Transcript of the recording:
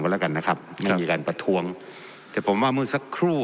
แล้วกันนะครับไม่มีการประท้วงแต่ผมว่าเมื่อสักครู่